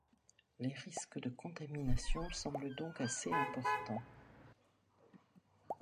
Les risques de contaminations semblent donc assez importants.